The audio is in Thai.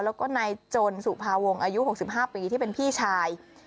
แล้วก็นายจนสุภาวงอายุ๖๕ปีที่เป็นพี่ชาย